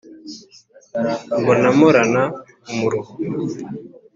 Mbona mporana umuruho